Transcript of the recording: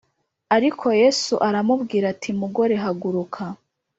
Ariko Yesu aramubwira ati mugore haguruka